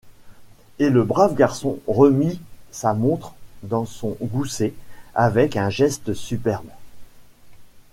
Et le brave garçon remit sa montre dans son gousset avec un geste superbe.